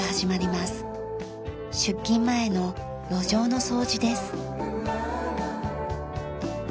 出勤前の路上の掃除です。